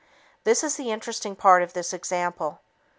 This is the interesting part of this example.